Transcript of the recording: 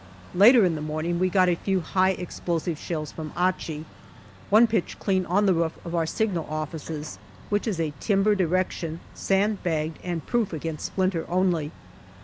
Later in the morning we got a few high explosive shells from Achi. One pitched clean on the roof of our signal offices, which is a timbered erection, sand bagged, and proof against splinter only.